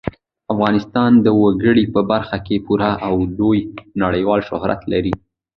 افغانستان د وګړي په برخه کې پوره او لوی نړیوال شهرت لري.